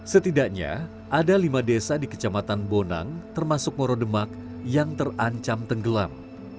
setidaknya ada lima desa di kecamatan bonang termasuk morodemak yang terancam tenggelam